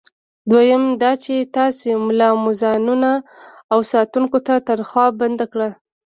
دویم دا چې تاسي ملا، مؤذنانو او ساتونکو ته تنخوا بنده کړه.